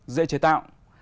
dễ chế tạo